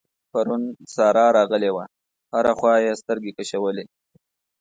پرون سارا راغلې وه؛ هره خوا يې سترګې کشولې.